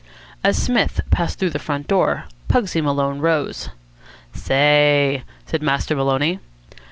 As Psmith passed through the front door, Pugsy Maloney rose. "Say!" said Master Maloney.